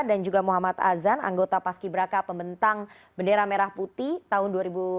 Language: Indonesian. dan juga muhammad azan anggota paski braka pembentang bendera merah putih tahun dua ribu dua puluh